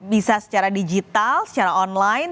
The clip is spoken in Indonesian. bisa secara digital secara online